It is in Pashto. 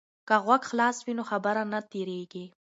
که غوږ خلاص وي نو خبره نه تیریږي.